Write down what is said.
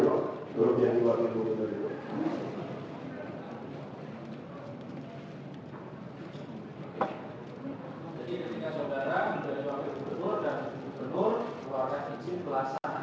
melakukan isi pelaksanaan reklama